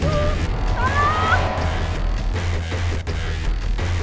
baha baha buka pintunya